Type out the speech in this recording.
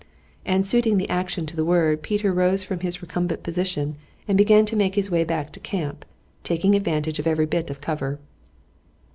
And suiting the action to the word, Peter rose from his recumbent position and began to make his way back to the camp, taking advantage of every bit of cover.